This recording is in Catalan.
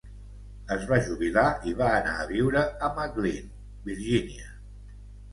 Es va jubilar i va anar a viure a McLean, Virgínia.